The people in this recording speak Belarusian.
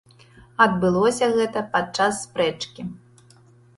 Адбылося гэта падчас спрэчкі.